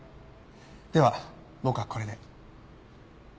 では僕はこれで。